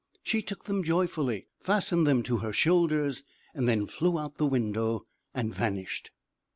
She took them joyfully, fastened them to her shoulders; then flew out of the window, and vanished.